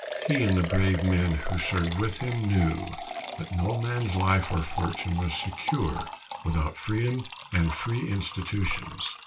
He and the brave men who served with him knew that no man's life or fortune was secure without freedom and free institutions.